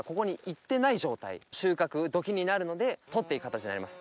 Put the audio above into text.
これはもう。になるので取っていい形になります。